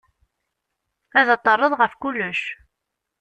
Ad d-terreḍ ɣef kullec.